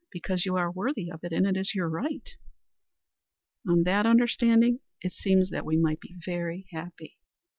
Because you are worthy of it, and because it is your right." "On that understanding it seems that we might be very happy."